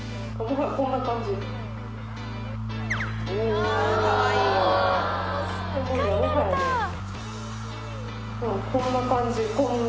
ほらこんな感じこんな感じ。